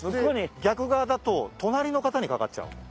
逆側だと隣の方にかかっちゃう。